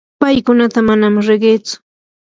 paykunata manam riqitsu.